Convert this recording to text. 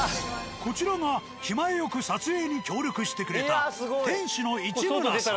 こちらが気前よく撮影に協力してくれた店主の市村さん。